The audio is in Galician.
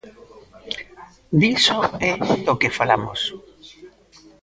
Diso é do que falamos.